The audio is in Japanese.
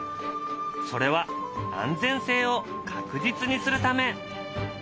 それは安全性を確実にするため。